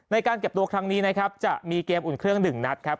ในการเก็บตัวครั้งนี้นะครับจะมีเกมอุ่นเครื่องหนึ่งนัดครับ